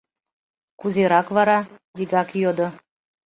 — Кузерак вара? — вигак йодо.